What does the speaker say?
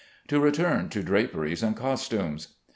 To return to draperies and costumes.